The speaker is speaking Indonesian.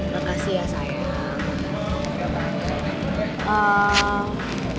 makasih ya sayang